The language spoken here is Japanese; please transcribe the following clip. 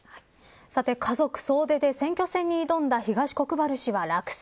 さて、家族総出で選挙戦に挑んだ東国原氏は落選。